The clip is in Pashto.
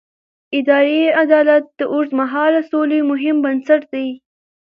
اداري عدالت د اوږدمهاله سولې مهم بنسټ دی